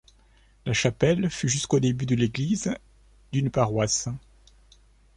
La chapelle fut jusqu'au début du l'église d'une paroisse.